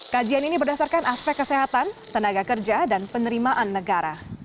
kajian ini berdasarkan aspek kesehatan tenaga kerja dan penerimaan negara